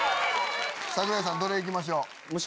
櫻井さんどれ行きましょう。